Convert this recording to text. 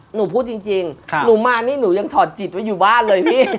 หนูพูดจริงหนูมานี่หนูยังถอดจิตไว้อยู่บ้านเลยพี่